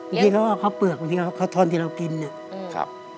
อันที่เราเอาข้าวเปลือกข้าวท่อนที่เรากินเนี่ย